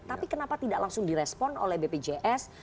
tapi kenapa tidak langsung direspon oleh bpjs